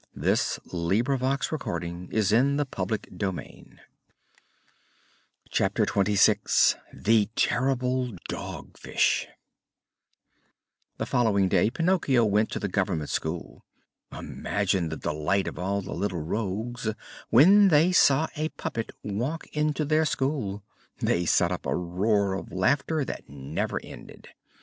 CHAPTER XXVI THE TERRIBLE DOG FISH The following day Pinocchio went to the government school. Imagine the delight of all the little rogues, when they saw a puppet walk into their school! They set up a roar of laughter that never ended.